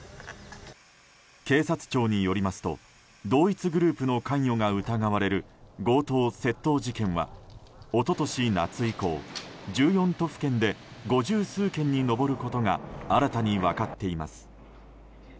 警察庁によりますと同一グループの関与が疑われる強盗・窃盗事件は一昨年夏以降１４都府県で五十数件に上ることが新たに分かっています。